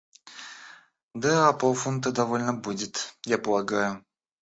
Да полфунта довольно будет, я полагаю.